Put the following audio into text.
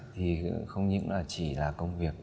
thì không những là chỉ là công việc